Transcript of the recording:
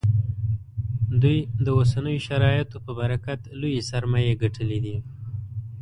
دوی د اوسنیو شرایطو په برکت لویې سرمایې ګټلې دي